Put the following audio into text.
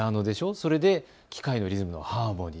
それに機械のリズムのハーモニー。